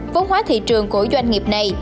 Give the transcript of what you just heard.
vốn hóa thị trường của doanh nghiệp này